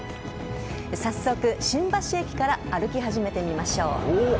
早速新橋駅から歩き始めてみましょう。